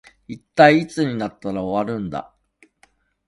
一体いつになったら終わるんだ